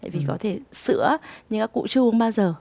vì có thể sữa như các cụ chưa uống bao giờ